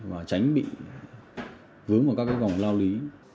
và tránh bị vướng vào các vòng lao lý